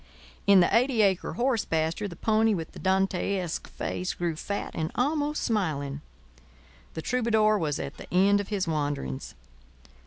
In the eighty acre horse pasture the pony with the Dantesque face grew fat and almost smiling. The troubadour was at the end of his wanderings.